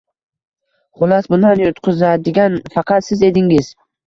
Xullas, bundan yutqizadigan faqat siz edingiz.